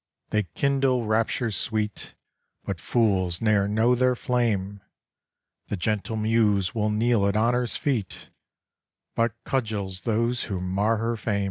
They kindle raptures sweet, But fools ne'er know their flame! The gentle Muse will kneel at honor's feet, But cudgels those who mar her fame.